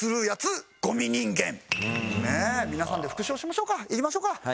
皆さんで復唱しましょうかいきましょうか。